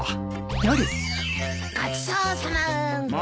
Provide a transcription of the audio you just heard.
ごちそうさま。